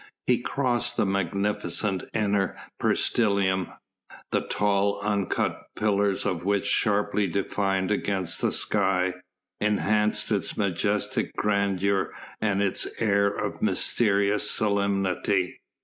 He crossed the magnificent inner peristylium, the tall, uncut pillars of which, sharply defined against the sky, enhanced its majestic grandeur and its air of mysterious solemnity.